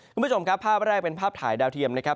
คุณผู้ชมครับภาพแรกเป็นภาพถ่ายดาวเทียมนะครับ